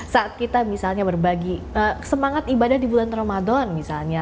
saat kita misalnya berbagi semangat ibadah di bulan ramadan misalnya